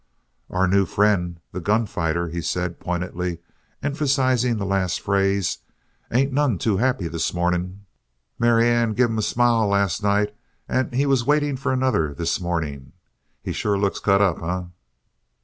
"Our new friend, the gun fighter," he said, pointedly emphasizing the last phrase, "ain't none too happy this morning. Marianne give him a smile last night and he was waiting for another this morning. He sure looks cut up, eh?"